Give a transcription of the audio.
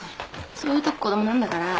そういうとこ子供なんだから。